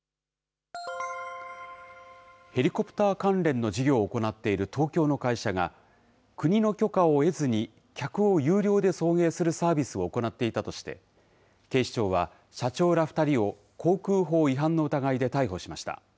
ヘリコプター関連の事業を行っている東京の会社が、国の許可を得ずに客を有料で送迎するサービスを行っていたとして、警視庁は社長ら２人を航空法違反の疑いで逮捕しました。